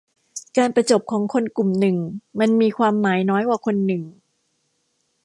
การประจบของคนกลุ่มหนึ่งมันมีความหมายน้อยกว่าคนหนึ่ง